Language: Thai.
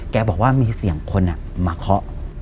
แกบอกว่ามีเสียงคนมาเคาะ